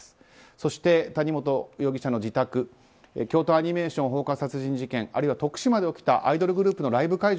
そして、谷本容疑者の自宅京都アニメーション放火殺人事件あるいは徳島で起きたアイドルグループのライブ会場